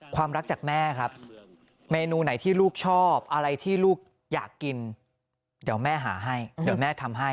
ความรักจากแม่ครับเมนูไหนที่ลูกชอบอะไรที่ลูกอยากกินเดี๋ยวแม่หาให้เดี๋ยวแม่ทำให้